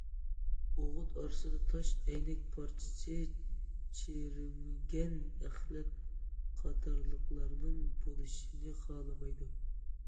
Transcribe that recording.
ئوغۇت ئارىسىدا تاش، ئەينەك پارچىسى چىرىمىگەن ئەخلەت قاتارلىقلارنىڭ بولۇشىنى خالىمايدۇ.